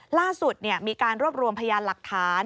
ล่าสุดมีการรวบรวมพยานหลักฐาน